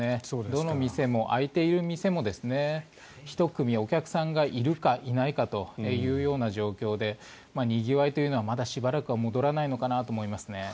どの店も、開いている店も１組、お客さんがいるかいないかという状況でにぎわいというのはまだしばらくは戻らないのかなと思いますね。